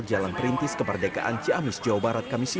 jalan perintis keperdekaan ciamis jawa barat kamisia